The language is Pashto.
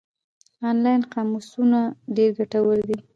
آنلاین قاموسونه ډېر ګټور دي.